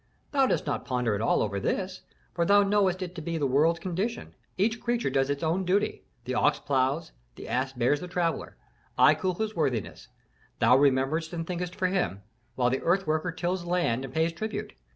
Thou dost not ponder at all over this, for thou knowest it to be the world's condition. Each creature does its own duty: the ox ploughs, the ass bears the traveller, I cool his worthiness, thou rememberest and thinkest for him, while the earth worker tills land and pays tribute.